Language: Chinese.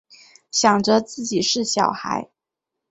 想着自己是小孩